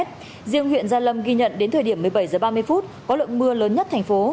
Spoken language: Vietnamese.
riêng huyện gia lâm ghi nhận đến thời điểm một mươi bảy h ba mươi có lượng mưa lớn nhất thành phố